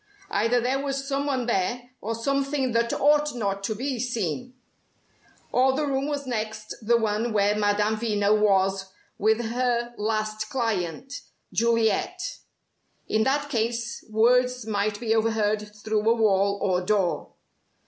Either there was someone there, or something that ought not to be seen; or the room was next the one where Madame Veno was with her "last client" Juliet! In that case, words might be overheard through a wall or door.